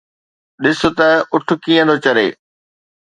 ڏس ته اُٺ ڪيئن ٿو چري.